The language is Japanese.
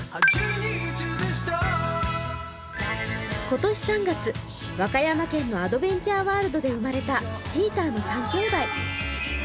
今年３月、和歌山県のアドベンチャーワールドで生まれたチーターの３きょうだい。